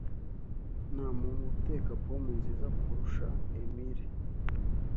Ntamuntu uteka pome nziza kurusha Emily.